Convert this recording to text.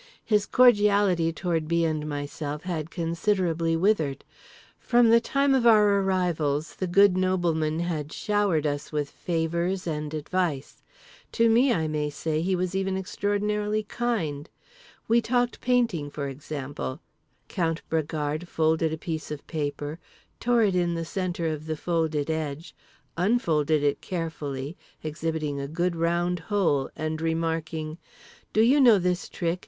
His cordiality toward B. and myself had considerably withered. From the time of our arrivals the good nobleman had showered us with favours and advice. To me, I may say, he was even extraordinarily kind. We talked painting, for example: Count Bragard folded a piece of paper, tore it in the centre of the folded edge, unfolded it carefully, exhibiting a good round hole, and remarking: "Do you know this trick?